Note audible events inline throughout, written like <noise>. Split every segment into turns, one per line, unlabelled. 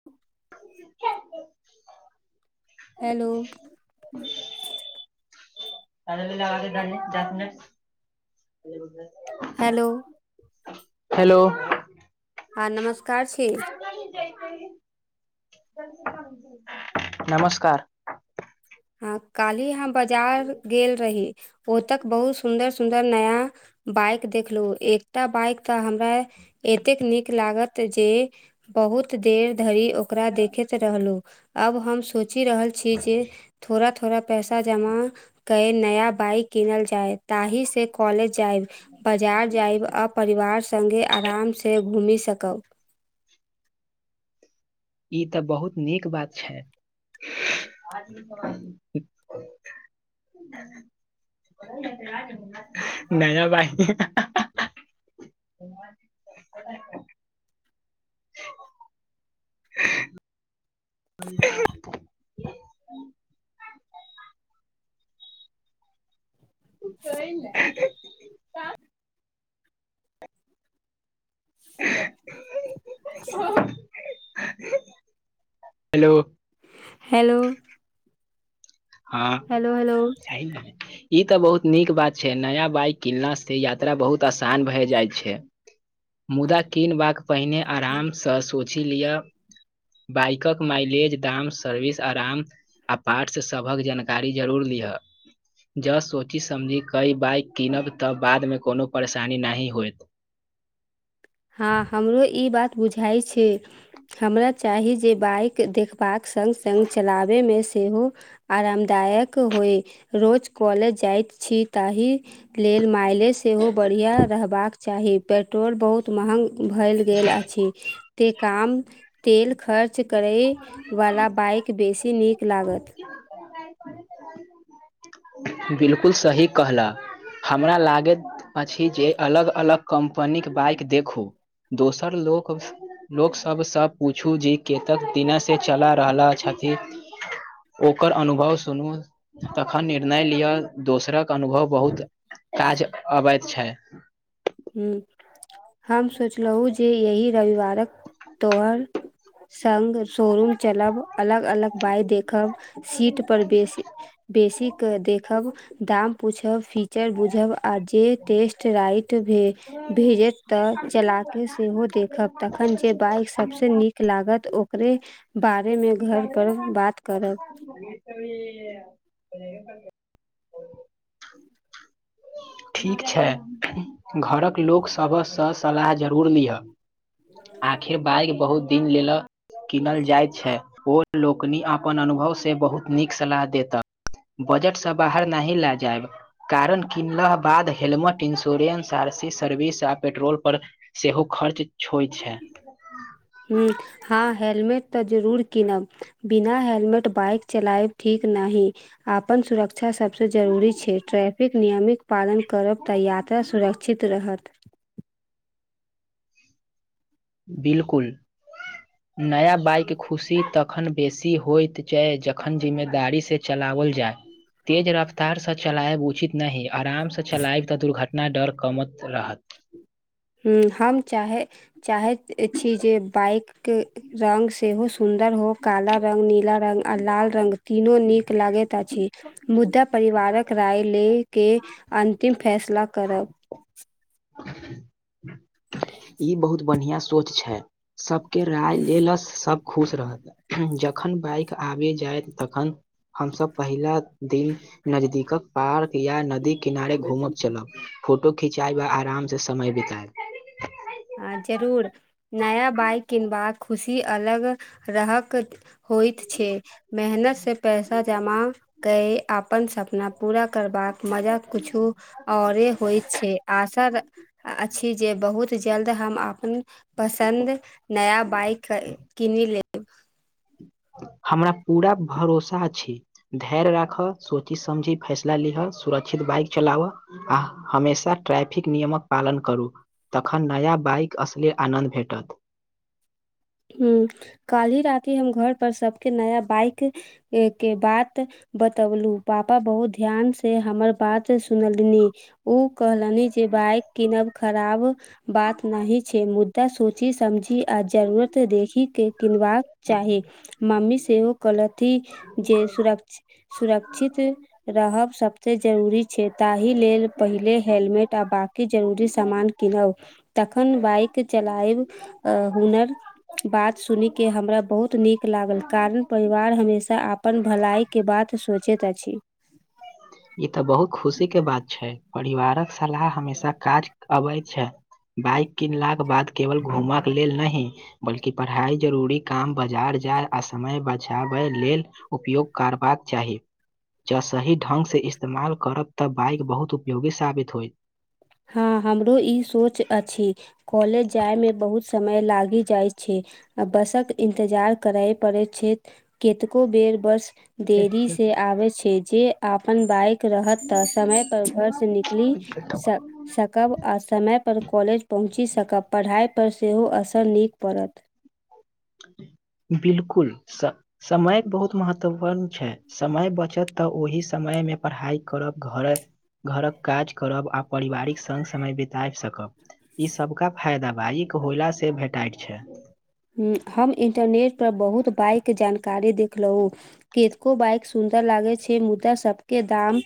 <inaudible> Hello
<inaudible> <unintelligible>
hello
hello
हँ नमस्कार छी
नमस्कार
ह काली हम बाजार गेल रही ओतक बहुत सुन्दर सुन्दर नया बाइक देखलहु एकटा बाइक तऽ हमरा एतेक नीक लागत जे बहुत देर धरि ओकरा देखैत रहलहुँ अब हम सोचि रहल छी जे थोड़ा थोड़ा पैसा जमा क नया बाइक किनल जाय ताहि से कॉलेज जायब बाजार जायब अब परिवार सङ्गे आराम से घूमि सकब
ई तऽ बहुत नीक बात छै
<inaudible>
ना बाइक <inaudible> <inaudible> कहि ने हेलो
हेलो
हँ
हेलो हेलो
जाही न ई तऽ बहुत नीक बात छै नया बाइक किनला से यात्रा बहुत आसान भय जाय छै मुदा कीन वाक पहिने आराम सँ सोच लिअ बाइकक माइलेज दाम सर्विस आराम आ पार्ट्स सभक जानकारी जरूर लिहऽ जँ सोची समझि कइ बाइक कीनब तऽ बादमे कोनो परेशानी नहि होयत
हँ हमरो ई बात बुझाइ छै हमरा चाही जे बाइक देख बाक संग संग चलाबे मे सेहो आरामदायक होइ रोज कॉलेज जाइत छी ताहि लेल माइलेज सेहो बढ़िआँ रहबाक चाही पेट्रोल बहुत महग भयल गेल अछि ते काम तेल खर्च करै वाला बाइक बेसी नीक लागत
बिलकुल सही कहला हमरा लागैत अछि जे अलग अलग कम्पनीक बाइक देखू दोसर लोक लोक सबसँ पूछू जी केतेक दिन से चला रहल छथि ओकर अनुभव सुनू तखन निर्णय लिअ दोसरक अनुभव बहुत काज अबैत छै
हूँ हम सोचलहु जे यही रविवारक तोहर सँग शोरूम चलब अलग अलग बाइ देखब सीट पर बेसी बेसी क देखब दाम पूछब फीचर बुझब आर जे टेस्ट राइट भेजत तऽ चला कऽ सेहो देखब तखन जे बाइक सभ सँ नीक लागत ओकरे बारेमे घर पर बात करब
<unintelligible> <unintelligible> ठीक छै घरक लोक सभसँ सलाह जरूर लिअऽ आखिर बाइग बहुत दिन लेलऽ कीनल जाइत छै ओ लोकनि अपन अनुभवसँ बहुत नीक सलाह देतअ बजटसँ बाहर नहि लए जायब कारण किन लह बाद helmet insurance R C service आ पेट्रोल पर सेहो खर्च छो छै
हूं हँ हेलमेट तऽ जरूर कीनब बिना हेलमेट बाइक चलायब ठीक नाहि आपन सुरक स सभसँ जरूरी छै ट्रैफिक नियमक पालन करब तऽ यात्रा सुरक्षित रहत
बिलकुल
<inaudible>
नया बाइक खुशी तखन बेसी होइत छै जखन जिम्मेदारीसँ चलाओल जाय तेज रफ्तारसँ चलायब उचित नहि आरामसँ चलायब तऽ दुर्घटना डर कमत रहत
हुम् हम चाहे चाहैत छी जे बाइक के रंग सेहो सुन्दर हो काला रंग नीला रंग आ लाल रंग तीनो नीक लगैत अछि मुद्दा परिवारक राय लेके अन्तिम फैसला करब
ई बहुत बढ़िया सोच छै सबके राय लेल स सब खुश रहत जखन बाइक आबे जायत तखन हमसब पहिला दिन नजदीकक पार्क या नदी किनारे घूमब चलब फोटो खिचाय वा आराम से समय बिताए
आ जरूर नया बाइक किनबाक खुशी अलग रहक होइत छै मेहनतसँ पैसा जमा केय अपन सपना पूरा करबाक मजा किछू औरे होइ छै आशा अछि जे बहुत जल्द हम अपन पसन्द नया बाइक क किनि लेब
हमरा पूरा भरोसा अछि धैर्य राखह सोची समझी फैसला लिह सुरक्षित बाइक चलावह आ हमेशा ट्रैफिक नियमक पालन करू तखन नया बाइक असले आनन्द भेटत
ह काल्हि राति हम घर पर सबके नया बाइक के बात बतौलू पापा बहुत ध्यान से हमर बात सुनलनि ओ कहलनि जे बाइक कीनब खराब बात नहि छै मुद्दा सोचि समझी आज से देखी के किनबाक चाही मम्मी सेहो कहलथि जे सुरक सुरक्षित रहब सभसँ जरूरी छै ताहि लेल पहिले हेलमेट आ बाकी जरूरी सामान किनब तखन बाइक चलायब हुनर बात सुन के हमरा बहुत नीक लागल कारण परिवार हमेशा अपन भलाइ के बात सोचैत अछि
ई तऽ बहुत खुशी के बात छै परिवारक सलाह हमेशा काज अबै छै बाइक किनलाक के बाद केवल घूमऽके लेल नहि बल्कि पढ़ाइ जरूरी काम बाजार जाय आ समय बचाबै लेल उपयोग करबाक चाही जँ सही ढंगसँ इस्तेमाल करब तऽ बाइक बहुत उपयोगी साबित होइ
हँ हमरो ई सोच अछि कॉलेज जायमे बहुत समय लागि जाइत छै आ बसक इन्तजार करय पड़ैत छै कतेको बेर बस देरी से आबे छै जे अपन बाइक रहत तऽ समय पर घर से निकलि
त
स सकब आ समयपर कॉलेज पहुँचि सकब पढ़ाइ पर सेहो असर नीक पड़त
बिलकुल समय बहुत महत्वपूर्ण छै समय बचत तऽ ओहि समय मे पढ़ाइ करब घर घरक काज करब आ परिवारिक सङ्ग समय बित सकब <unintelligible>
हम इन्टरनेटपर बहुत बाइके जानकारी देखलहुँ कि को बाइक सुन्दर लागे छैय मुदा सबके दाम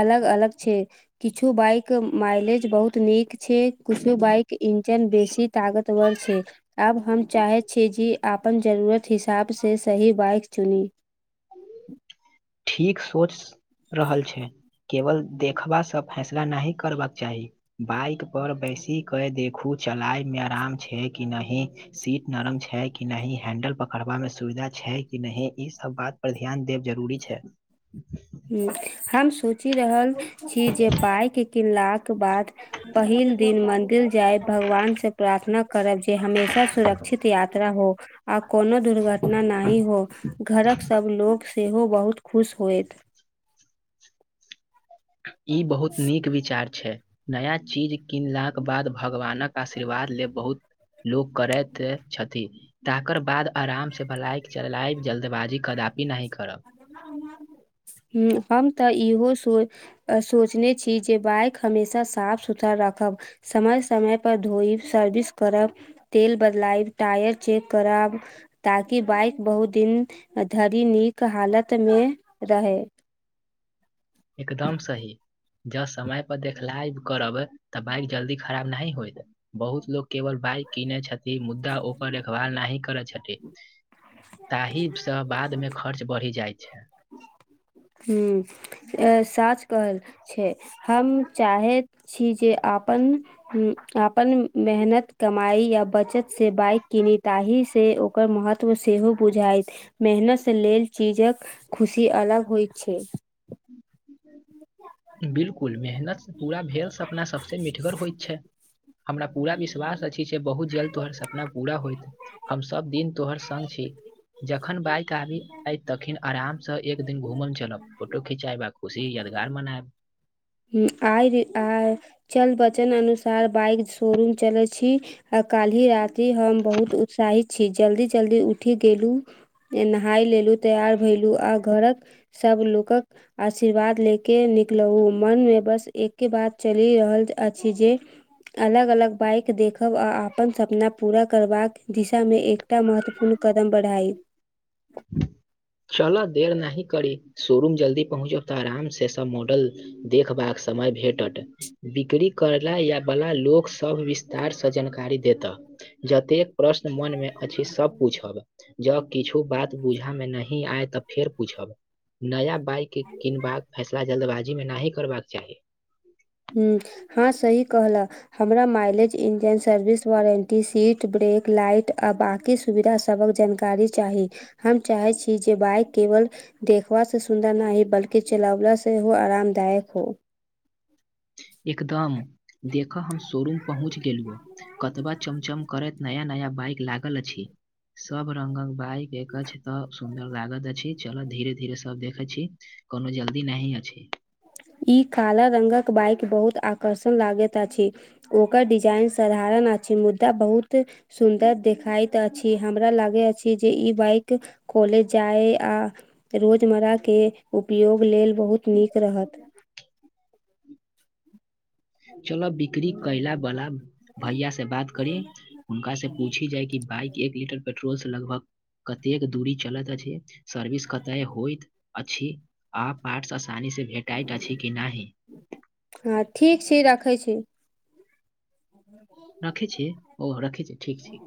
अलग अलग छैय। किछु बाइक माइलेज बहुत नीक छैय किछो बाइक इंजन बेसी ताकतवर छैय आब हम चाहेत छीयै जे अपन जरूरत हिसाब से सही बाइक चुनी।
ठीक सोच रहल छे केवल देखबासँ फैसला नहि करबाक चाही। बाइक पर बैसी क देखू चलाय मे आराम छैय कि नहि। सीट नरम छैय कि नह हैंडल पकड़बा में सुविधा छैय कि नह ई सब बात पर ध्यान देब जरूरी छैय।
हम सोचि रहल छी जे बाइक किन ला के बाद पहिल दिन मन्दिर जायब। भगवान से प्रार्थना करब जे हमेशा सुरक्षित यात्रा हो। आ कोनो दुर्घटना नी हो घरक सब लोग सेहो बहुत खुश होयत।
ई बहुत नीक विचार छैय। नया चीज किनलाके बाद भगवानक आशीर्वाद लेब बहुत लोक करैत छथि। तकर बाद आराम से भलाइक चलायब जल्दबाजी कदापि नहि करब।
ह हम तऽ इहो सो सोचने छी जे बाइक हमेशा साफ सुथरा राखब। समय समय पर धोई सर्विस करब। तेल बदलाइ टायर चेेक कराब ताकि बाइक बहुत दिन धरि नीक हालत मे रहे।
एकदम सही। जब समय पर देखलाइ करब तऽ बाइक जल्दी खराब न होयत। बहुत लोको केवल भइ कीने छथिन मुद्दा ओकर देखभाल नहि करै छथि। ताहिसँ बादमे खर्च बढ़ि जाइ छैय।
ह अ साच कहल छैय हम चाहे छी जेे अपन अपन मेहनत कमाई या बचत से बाइक कनी ताही से ओकर महत्व सेहो बुझाइत मेहनत लेल चीजक खुशी अलग होइत छैय।
बिलकुल मेहनतसँ पूरा भेल सपना सभसँ मिठगर होइत छैय। हमरा पूरा विश्वास अछि से बहुत जल्द तोहहारर सपना पूरा होयत। हम सभ दिन तोहर सङ्ग छी। जखन बाइक आबी आय तखन आराम से एक दिन घूमल मे चल फोटो खिंचाय बा खुशी य तार मनायब।
ह आइ आ चल बचन अनुसार बाइक शोरूम चलै छी आ काल्हि रााति हम बहुत उत्साहित छी जल्दी जल्दी उठि गेलहु नहाय लेलु तैयार भेलु आ घरक सब लक आशीर्वाद ले के निकलहु मन मे बस एके बात चलि रहल अछि जे अलग अलग बइक देख ब आ अपन सपना पूरा करबाक दिशामे एकटा महत्वपूर्ण कदम बढ़ाइब।
चलऽ देर नहि करी शोरूम जल्दी पहुँचब तऽ आराम से सब मॉडल देखबाक समय भेटत। बिक्री करय ला या बला लोक सब विस्तारसँ जानकारी देता जतेक प्रश्न मन में अछि सब पूछब ज किछु बात बुझा में नहि आयत तऽ फेर पूछब नया बाइक किनबाक फैसला जल्दबाजी मे नहि करबाके चाह
हँ सही कहला। हमरा mileage engine service warranty seat brake light आ बाँकी सुविधा सभक जानकारी चाही हम चाहैत छी जे बाइक केवल देखबास से सुन्दर न ह बल्कि चलावला से हो आरामदायक हो
एकदम देखह हम शोरूम पहुँच गेलहु कतबा चमचम करैत नया नया बाइक लागल अछि सब रंगक बाइक देख छै तऽ सुन्दर लागत अछि चलऽ धीरे धीरे सब देखे छी कोनो जल्दी नी अछि
ई काला रंगगक बाइक बहुत आकर्षण लागैत अछि ओकर डिजाइन साधारण अछि मुद्दा बहुत सुन्दर देखाइत अछि हमरा लागै अछि जे ई बाइक कॉलेज जाय आ रोजमर्राक के उपयोग लेल बहुत नीक रहत
चल बिक्री कैला बला भैया से बात करी हुनका से पूछि जाइ कि बाइक एक लीटर पेट्रोल से लगभग कतेक दूरी चलैत अछि सर्विस कतय होइत अछि आ पारठस आसानी से भेटइत अछि कि नहि
हँ ठीक छी राखै छी <inaudible>
राखै छै ओह राखै छै ठीक छी